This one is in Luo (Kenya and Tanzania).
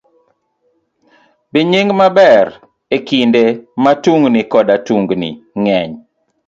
B. Nying maber. E kinde ma tungni koda tungni ng'eny,